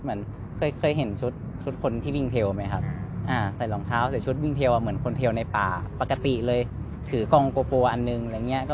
และถือมันเคยเคยเห็นชุดคนที่วิ่งเทลไหมครับใส่รองเท้าจะชุดวิ่งเทมาเหนิ่งคนเทลในป่าปกติเลยถือกล่องกลัวอันนึง